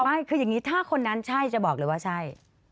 ไม่คืออย่างนี้ถ้าคนนั้นใช่จะบอกเลยว่าใช่